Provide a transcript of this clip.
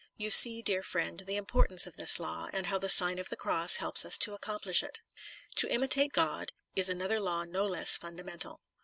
You see, dear friend, the importance of this law, and how the Sign of the Cross helps us to accomplish it. To imi tate God, is another law no less fundamental.